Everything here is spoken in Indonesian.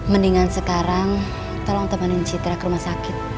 mendingan sekarang tolong temanin citra ke rumah sakit